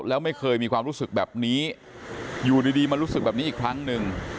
แล้วไม่เคยมีความรู้สึกแบบนี้อยู่ดีมารู้สึกแบบนี้อีกครั้งหนึ่ง